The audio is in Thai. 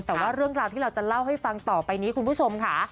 แต่ว่าเรื่องราวที่เราจะเล่าให้ฟังต่อไปนี้คุณผู้ชมค่ะ